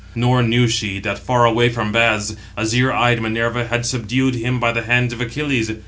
nor knew she that, far away from baths, azure eyed Minerva had subdued him by the hands of Achilles.